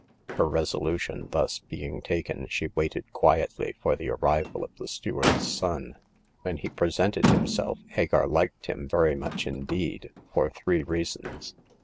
Her resolution thus being taken, she waited quietly for the arrival of the steward's son. When he presented himself, Hagar liked him very much indeed, for three reasons.